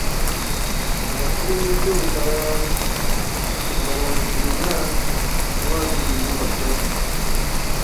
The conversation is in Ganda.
Ono afulumizza olukalala lw'abantu Bina mu abiri mu basatu